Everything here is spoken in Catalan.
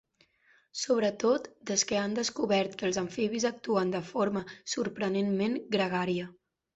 Sobretot des que han descobert que els amfibis actuen de forma sorprenentment gregària.